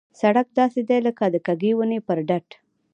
سړک داسې دی لکه د کږې ونې پر ډډ.